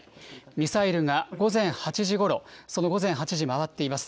ミサイルが午前８時ごろ、その午前８時回っています。